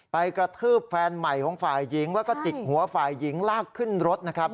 กระทืบแฟนใหม่ของฝ่ายหญิงแล้วก็จิกหัวฝ่ายหญิงลากขึ้นรถนะครับ